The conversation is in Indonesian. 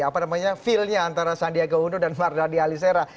apa namanya feelnya antara sandiaga uno dan mardhani alisera